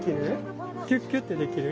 キュッキュッてできる？